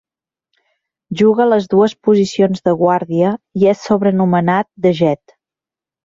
Juga a les dues posicions de guàrdia i és sobrenomenat "The Jet".